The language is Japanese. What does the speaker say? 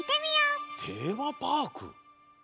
テーマパーク？